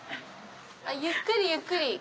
ゆっくりゆっくり。